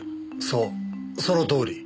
そうそのとおり。